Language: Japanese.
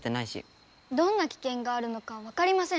どんなきけんがあるのかわかりません。